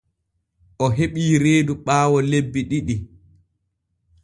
O heɓi reedu ɓaawo lebbi ɗiɗi.